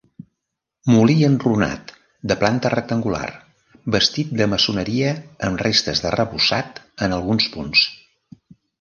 Molí enrunat de planta rectangular; bastit de maçoneria amb restes d'arrebossat en alguns punts.